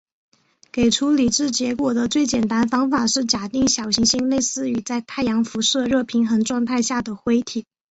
给出理智结果的最简单方法是假定小行星类似于在太阳辐射热平衡状态下的灰体。